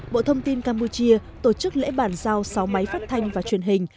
bộ thông tin campuchia tổ chức lễ bàn giao sáu máy phát thanh và truyền hình